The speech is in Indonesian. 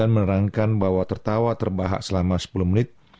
menerangkan bahwa tertawa terbahak selama sepuluh menit